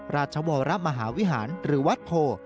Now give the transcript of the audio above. ราชวรมหาวิหารหรือวัดโพ